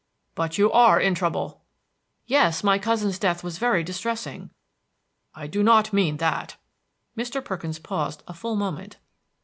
"But you are in trouble." "Yes, my cousin's death was very distressing." "I do not mean that." Mr. Perkins paused a full moment.